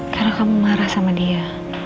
karena kamu marah sama dia